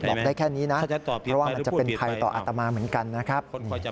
บอกได้แค่นี้นะเพราะว่ามันจะเป็นภัยต่ออัตมาเหมือนกันนะครับ